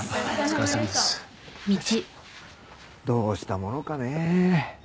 どうしたものかね？